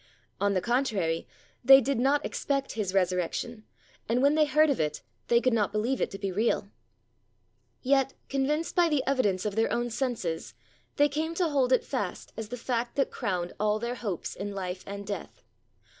On the contrary, they did not expect His resurrection, and, when they heard of it, they could not believe it to be real. Yet, convinced by the evidence of their own senses, they came to hold it fast as the fact that crowned all their hopes in life and death.